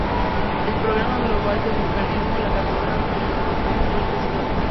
El Programa Global de Vulcanismo lo cataloga como un volcán histórico sin nombre.